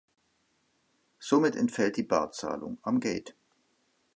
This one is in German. Somit entfällt die Barzahlung am Gate.